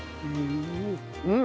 うん！